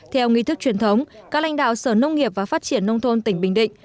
theo nghi thức truyền thống các lãnh đạo sở nông nghiệp và phát triển nông thôn tỉnh bình định